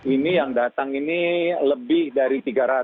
ini yang datang ini lebih dari tiga ratus